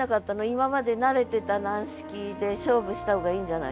今まで慣れてた軟式で勝負した方がいいんじゃないかとか。